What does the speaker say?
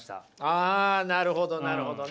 あなるほどなるほどね。